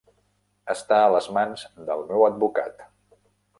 Està a les mans del meu advocat.